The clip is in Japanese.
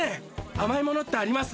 あまいものってあります？